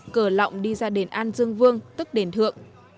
cờ lọng đi ra đền an dương vương tức đền thượng